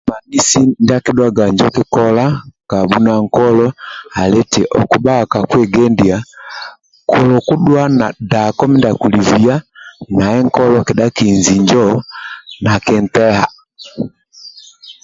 Ndia kidhuaga njo kikola kabhuna nakoli ali nti okubhaga ka kweghendia kolona kudhuwa nadako mindia kulibhiya naye nakoli keda kihinji njo nakinteha